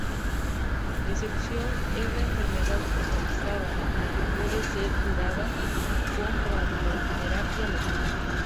La excepción es la enfermedad localizada, la que puede ser curada con radioterapia local.